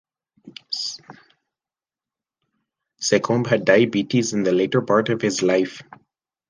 Secombe had diabetes in the latter part of his life.